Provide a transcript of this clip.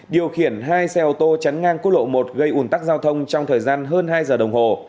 điều khiển hai xe ô tô chắn ngang quốc lộ một gây ủn tắc giao thông trong thời gian hơn hai giờ đồng hồ